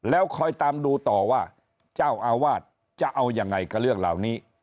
แล้วคอยตามดูต่อว่าเจ้าอาวาสจะเอายังไงกับเรื่องเหล่านี้